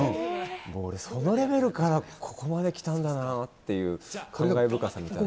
もう俺、そのレベルからここまできたんだなあっていう、感慨深さみたいな。